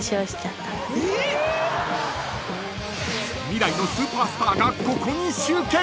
［未来のスーパースターがここに集結］